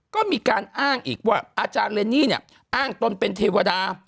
ก็มีการอ้างอีกว่าอาจารย์เรนนี่เนี่ยอ้างตนเป็นเทวดา